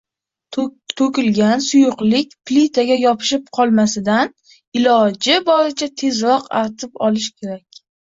To‘kilgan suyuqlik plitaga yopishib qolmasidan, iloji boricha tezroq artib olish kerak